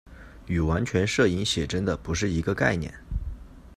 与完全摄影写真的不是一个概念。